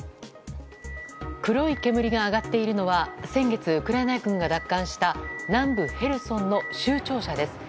黒い煙が上がっているのは先月、ウクライナ軍が奪還した南部ヘルソンの州庁舎です。